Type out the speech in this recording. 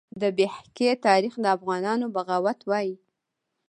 د بیهقي تاریخ د افغانانو بغاوت وایي.